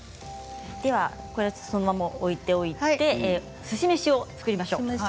これはこのまま置いておいてすし飯を作りましょう。